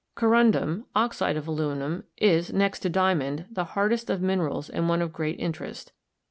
Corundum, oxide of aluminium, is, next to diamond, the hardest of minerals and one of great interest.